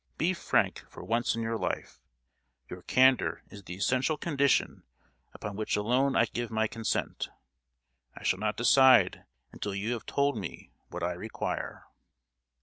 Be frank for once in your life; your candour is the essential condition upon which alone I give my consent. I shall not decide until you have told me what I require!"